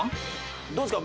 どうですか？